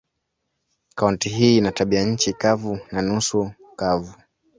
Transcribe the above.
Kaunti hii ina tabianchi kavu na nusu kavu.